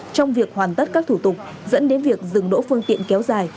trong việc hoàn tất các thủ tục dẫn đến việc dừng đỗ phương tiện kéo dài